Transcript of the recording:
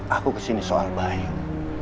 aku kesini soal baik